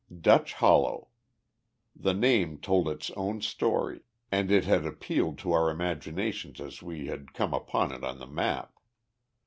Dutch Hollow! The name told its own story, and it had appealed to our imaginations as we had come upon it on the map.